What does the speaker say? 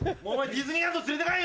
ディズニーランド連れて行かん。